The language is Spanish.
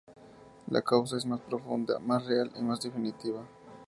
La causa es más profunda, más real y definitiva.